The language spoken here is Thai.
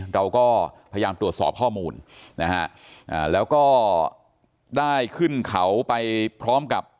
เราก็พยายามตรวจสอบข้อมูลนะฮะแล้วก็ได้ขึ้นเขาไปพร้อมกับ